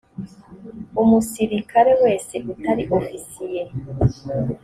umusirikare wese utari ofisiye